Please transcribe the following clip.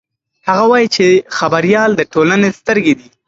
هغه وایي چې خبریال د ټولنې سترګې دي.